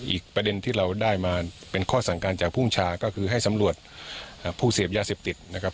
อีกประเด็นที่เราได้มาเป็นข้อสั่งการจากภูมิชาก็คือให้สำรวจผู้เสพยาเสพติดนะครับ